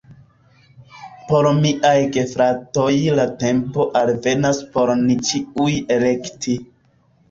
Por miaj gefratoj la tempo alvenas por ni ĉiuj elekti